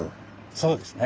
そうですね。